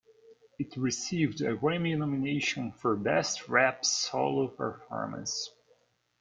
It received a Grammy nomination for Best Rap Solo Performance.